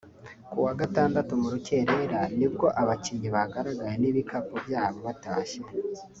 Ku wa Gatandatu mu rukerera ni bwo abakinnyi bagaragaye n’ibikapu byabo batashye